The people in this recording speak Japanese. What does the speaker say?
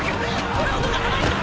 これをどかさないと！！